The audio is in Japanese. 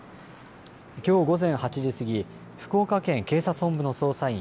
きょう午前８時過ぎ福岡県警察本部の捜査員